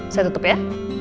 saya tutup ya